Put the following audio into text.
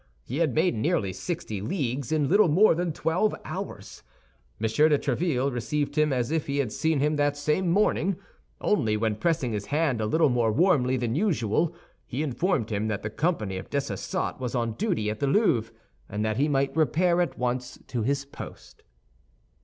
He had made nearly sixty leagues in little more than twelve hours. M. de Tréville received him as if he had seen him that same morning; only, when pressing his hand a little more warmly than usual, he informed him that the company of Dessessart was on duty at the Louvre, and that he might repair at once to his post.